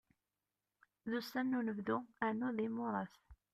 D ussan n unebdu rnu d imuras.